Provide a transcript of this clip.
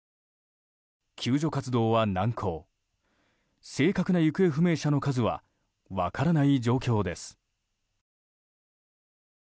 救助活動は難航正確な行方不明者の数は分からない状況です。